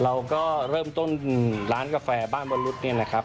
เราก็เริ่มต้นร้านกาแฟบ้านบอลรุษเนี่ยนะครับ